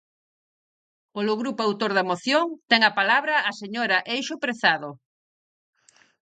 Polo grupo autor da moción, ten a palabra a señora Eixo Prezado.